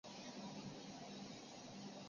此外游戏也有部分可破坏的场景设计。